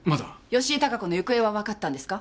吉井孝子の行方はわかったんですか？